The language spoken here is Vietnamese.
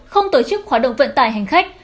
không tổ chức hoạt động vận tải hành khách